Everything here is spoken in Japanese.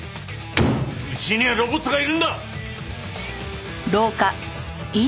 うちにはロボットがいるんだ！